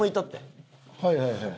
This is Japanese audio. はいはいはいはい。